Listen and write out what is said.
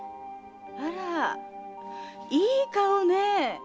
あらぁいい顔ねえ！